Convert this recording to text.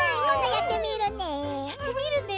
やってみるね。